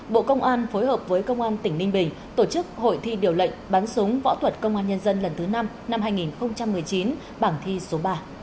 bộ công an phối hợp với công an tỉnh ninh bình tổ chức hội thi điều lệnh bắn súng võ thuật công an nhân dân lần thứ năm năm hai nghìn một mươi chín bảng thi số ba